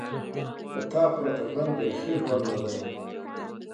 له تا پرته ژوند بېخي ژوند نه دی.